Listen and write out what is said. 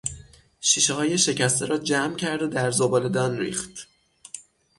شیشههای شکسته را جمع کرد و در زباله دان ریخت.